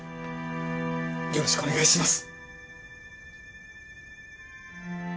よろしくお願いします。